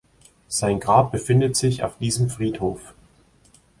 Sein Grab befindet sich auf diesem Friedhof.